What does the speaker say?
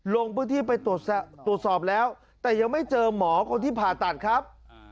ลงพื้นที่ไปตรวจสอบแล้วแต่ยังไม่เจอหมอคนที่ผ่าตัดครับ